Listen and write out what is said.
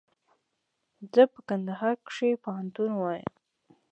زه په کندهار کښي پوهنتون وایم.